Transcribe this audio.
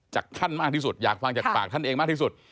จากท่านมากที่สุดอยากฟังจากปากท่านเองมากที่สุด